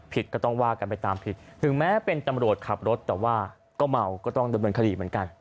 ก็ต้องว่ากันไปตามผิดถึงแม้เป็นตำรวจขับรถแต่ว่าก็เมาก็ต้องดำเนินคดีเหมือนกัน